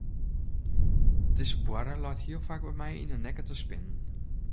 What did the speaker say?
Dizze boarre leit hiel faak by my yn de nekke te spinnen.